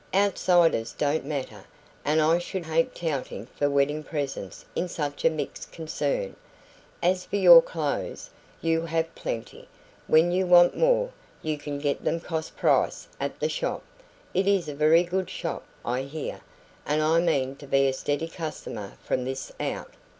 Outsiders don't matter; and I should hate touting for wedding presents in such a mixed concern. As for your clothes, you have plenty; when you want more, you can get them cost price at the shop. It is a very good shop, I hear, and I mean to be a steady customer from this out.